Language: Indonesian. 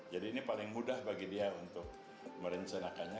jadi ini paling mudah bagi dia untuk merencanakannya